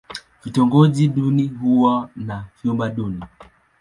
Vitongoji duni huwa na vyumba duni.